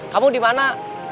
kamu di mana